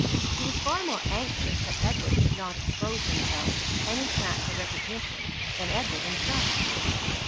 He was far more anxious that Edward should not expose himself to any chance of recognition than Edward himself.